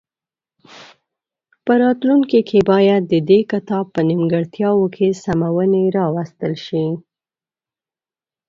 په راتلونکي کې باید د دې کتاب په نیمګړتیاوو کې سمونې راوستل شي.